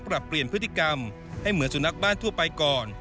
ปรับเปลี่ยนพฤติกรรมให้เหมือนสุนัขบ้านทั่วไปก่อน